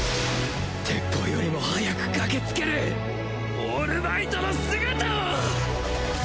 鉄砲よりも速く駆けつけるオールマイトの姿を